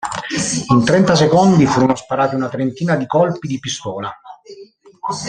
In trenta secondi furono sparati una trentina di colpi di pistola.